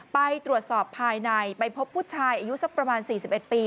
ไปตรวจสอบภายในไปพบผู้ชายอายุสักประมาณ๔๑ปี